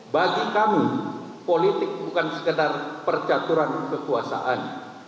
bagi kami politik bukan sekedar percaturan kekuasaan